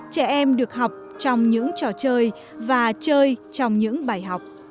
trẻ em được học trong những trò chơi và chơi trong những bài học